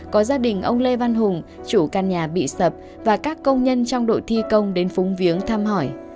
có gia đình ông lê văn hùng chủ căn nhà bị sập và các công nhân trong đội thi công đến phúng viếng thăm hỏi